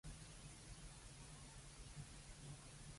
今日天氣好好